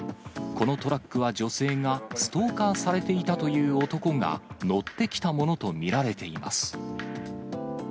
このトラックは女性がストーカーされていたという男が乗ってきたものと見られています。